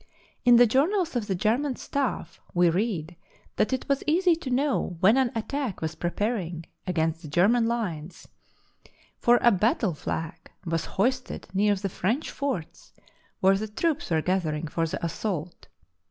In the journals of the German staff we read that it was easy to know when an attack was preparing against the German lines, for a battle flag was hoisted near the French forts where the troops were gathering for the assault.